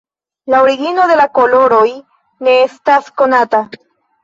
La origino de la koloroj ne estas konata.